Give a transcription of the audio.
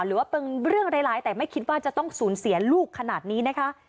หรือว่าเป็นเรื่องร้ายแต่ไม่คิดว่าจะต้องสูญเสียลูกขนาดนี้นะคะ